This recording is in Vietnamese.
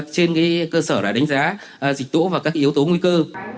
trên cơ sở đánh giá dịch tễ và các yếu tố nguy cơ